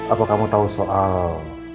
apa kamu tahu soal